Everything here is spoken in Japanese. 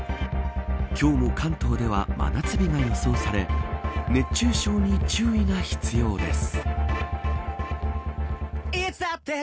今日も関東では真夏日が予想され熱中症に注意が必要です。